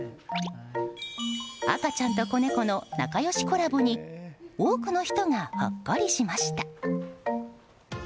赤ちゃんと子猫の仲良しコラボに多くの人がほっこりしました。